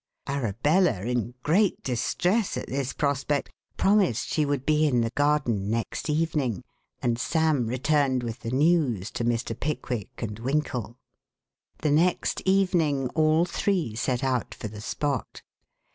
Arabella, in great distress at this prospect, promised she would be in the garden next evening, and Sam returned with the news to Mr. Pickwick and Winkle. The next evening all three set out for the spot.